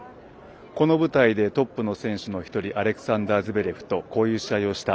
この舞台でトップの選手の１人アレクサンダー・ズベレフとこういう試合をした。